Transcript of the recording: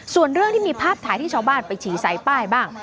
ส่วนเรื่องที่มีภาพถ่ายที่ชาวบ้านไปฉี่ใส่ป้ายบ้าง